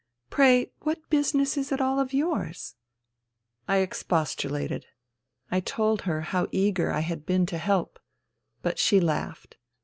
. pray what business is it all of yours !" I expostulated. I told her how eager I had been to help. But she laughed.